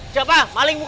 siapa maling bukan